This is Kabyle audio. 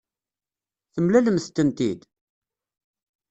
Temlalemt-tent-id?